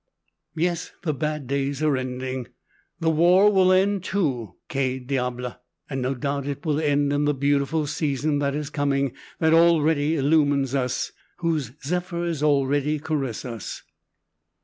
Yes, the bad days are ending. The war will end, too, que diable! And no doubt it will end in the beautiful season that is coming, that already illumines us, whose zephyrs already caress us.